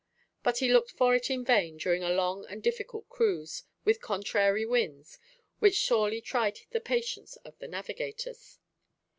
But he looked for it in vain during a long and difficult cruise, with contrary winds, which sorely tried the patience of the navigators.